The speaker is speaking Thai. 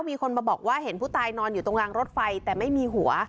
มีคนมาบอกว่าเห็นผู้ตายนอนอยู่ตรงรางรถไฟแต่ไม่มีหัว